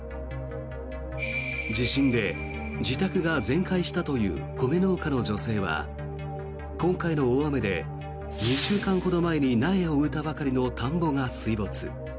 地震で自宅が全壊したという米農家の女性は今回の大雨で、２週間ほど前に苗を植えたばかりの田んぼが水没。